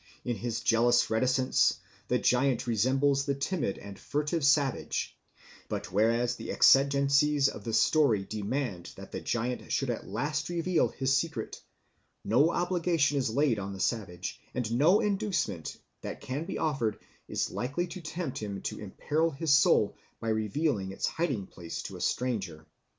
In his jealous reticence the giant resembles the timid and furtive savage; but whereas the exigencies of the story demand that the giant should at last reveal his secret, no such obligation is laid on the savage; and no inducement that can be offered is likely to tempt him to imperil his soul by revealing its hiding place to a stranger.